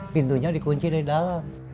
pintunya dikunci dari dalam